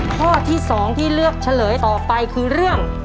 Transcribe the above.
ข้อที่๒ที่เลือกเฉลยต่อไปคือเรื่อง